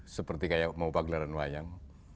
seperti kayak mau pagelaran wayang